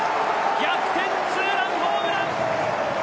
逆転ツーランホームラン。